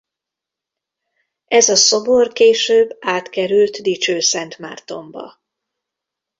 Ez a szobor később átkerült Dicsőszentmártonba.